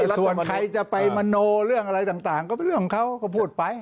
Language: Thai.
ส่วนใครจะไปมโนเรื่องอะไรต่างก็เป็นเรื่องของเขาก็พูดไป